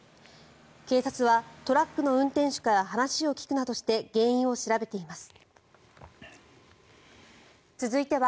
警察は、トラックの運転手から話を聞くなどして原因を調べています。